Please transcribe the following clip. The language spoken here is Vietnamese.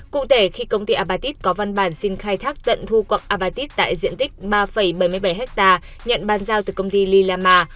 cụ thể khi công ty apatit có văn bản xin khai thác tận thu quặng apatit tại diện tích ba bảy mươi bảy hectare nhận ban giao từ công ty lilama